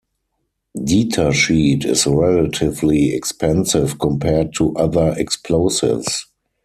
Detasheet is relatively expensive compared to other explosives.